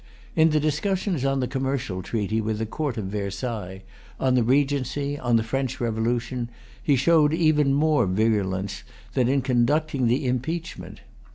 In the discussions on the Commercial Treaty with the Court of Versailles, on the Regency, on the French Revolution, he showed even more virulence than in conducting the impeachment.